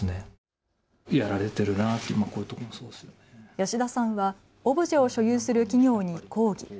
吉田さんはオブジェを所有する企業に抗議。